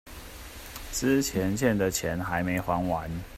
之前欠的錢還沒還完